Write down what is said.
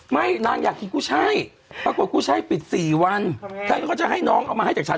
นางอยากกินกูใช่ปรากฏกูใช่ปิด๔วันฉันก็จะให้น้องเอามาให้จากฉัน